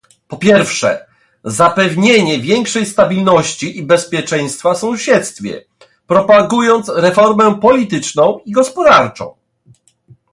po pierwsze, zapewnienie większej stabilności i bezpieczeństwa w sąsiedztwie, propagując reformę polityczną i gospodarczą